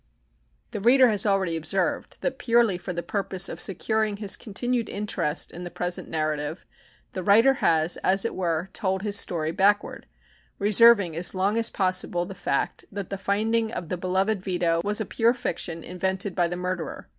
The reader has already observed that purely for the purpose of securing his continued interest in the present narrative the writer has, as it were, told his story backward, reserving as long as possible the fact that the finding of the beloved Vito was a pure fiction invented by the murderer.